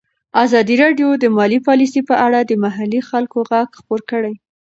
ازادي راډیو د مالي پالیسي په اړه د محلي خلکو غږ خپور کړی.